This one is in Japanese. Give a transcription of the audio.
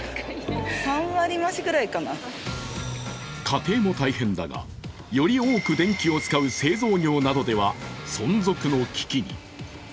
家庭も大変だが、より多く電気を使う製造業などでは存続の危機に。